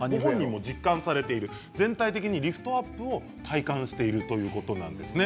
全体的にリフトアップを体感しているそうです。